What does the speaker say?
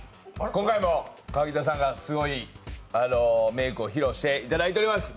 今回も河北さんがすごいメイクを披露していただいております。